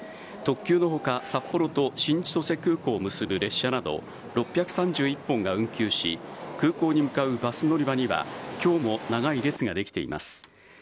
特急のほか札幌と新千歳空港を結ぶ列車など、６３１本が運休し、空港に向かうバス乗り場には、きょうも長い列が出来ています。